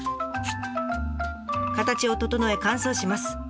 形を整え乾燥します。